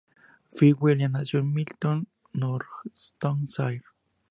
FitzWilliam nació en Milton, Northamptonshire.